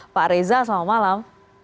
pak reza selamat malam